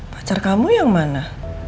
pacar kamu yang mana